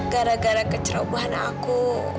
gara gara kecerobohan aku